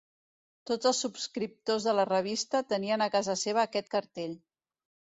Tots els subscriptors de la revista, tenien a casa seva aquest cartell.